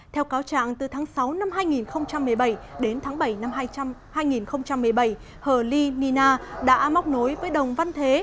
theo cáo trạng từ tháng sáu năm hai nghìn một mươi bảy đến tháng bảy năm hai nghìn một mươi bảy hờ ly nina đã móc nối với đồng văn thế